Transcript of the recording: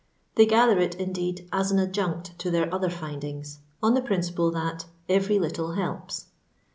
They gather it, indeed, a* an adjunct to thoir other findings, en the principle that " every little helps."